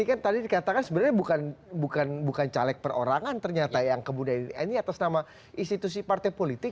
jadi katakan sebenarnya bukan caleg perorangan ternyata yang kemudian ini atas nama institusi partai politik